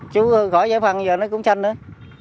chú khỏi giải phân giờ nó cũng xanh nữa